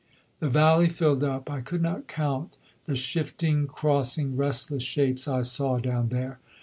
The valley filled up; I could not count the shifting, crossing, restless shapes I saw down there.